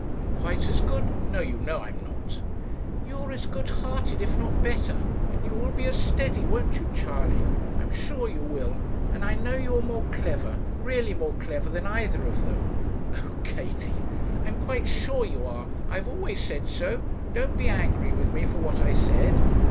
'Quite as good! no, you know I am not.' 'You are as good hearted, if not better; and you will be as steady, won't you, Charley? I am sure you will; and I know you are more clever, really more clever than either of them.' 'Oh! Katie.' 'I am quite sure you are. I have always said so; don't be angry with me for what I said.'